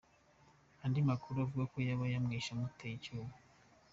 Andi makuru avuga ko yaba yamwishe amuteye icyuma.